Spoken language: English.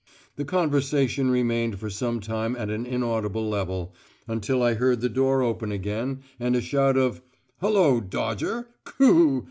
The conversation remained for some time at an inaudible level, until I heard the door open again, and a shout of "Hullo! Dodger. Coo!